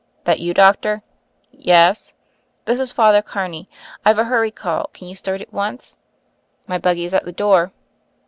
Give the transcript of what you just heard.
"That you, doctor?" "Yes." "This is Father Carney. I've a hurry call — can you start at once?" "My buggy is at the door."